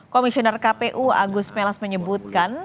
komisioner kpu agus melas menyebutkan